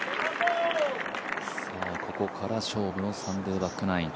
ここから勝負のサンデーバックナイン。